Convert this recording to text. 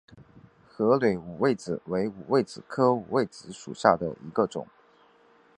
合蕊五味子为五味子科五味子属下的一个种。